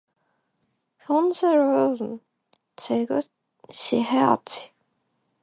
현실을 직시해야지.